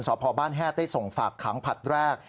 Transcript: สพบ้านแหททรได้ส่งฝากขังผัดแรก